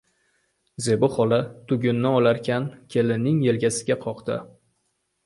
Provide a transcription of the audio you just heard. Zebi xola tugunni olarkan, kelinning yelkasiga qoqdi.